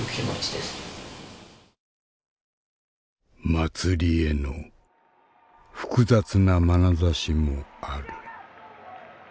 祭りへの複雑なまなざしもある。